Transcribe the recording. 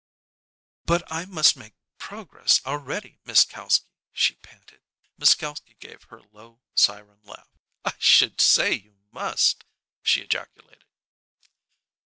"But I must make progress already, Miss Kalski," she panted. Miss Kalski gave her low, siren laugh. "I should say you must!" she ejaculated.